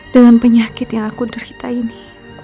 dengan penyakit yang aku derita ini